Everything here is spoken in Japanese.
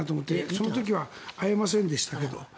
その時は会えませんでしたけど。